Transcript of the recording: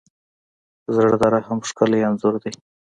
زړه د رحم ښکلی انځور دی.